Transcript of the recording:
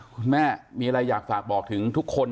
คุณแม่มีอะไรอยากฝากบอกถึงทุกคน